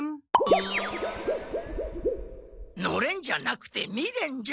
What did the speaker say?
「のれん」じゃなくて「みれん」じゃ。